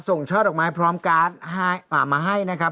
ช่อดอกไม้พร้อมการ์ดมาให้นะครับ